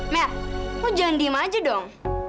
maaf ya sekalian